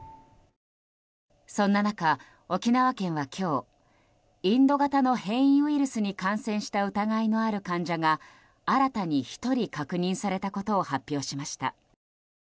そんな中、沖縄県は今日インド型の変異ウイルスに感染した疑いのある患者が新たに１人確認されたことを発表しました。